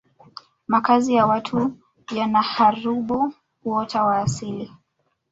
makazi ya watu yanaharubu uoto wa asili